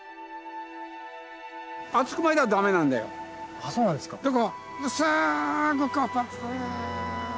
あっそうなんですか。